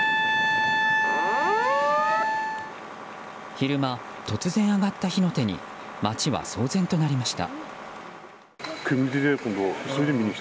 昼間、突然上がった火の手に街は騒然となりました。